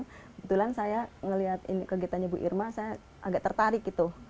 kebetulan saya melihat kegiatannya bu irma saya agak tertarik gitu